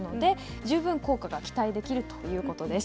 十分効果が期待できるということです。